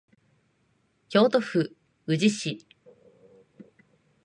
京都府宇治市